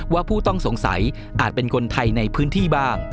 ผู้ต้องสงสัยอาจเป็นคนไทยในพื้นที่บ้าง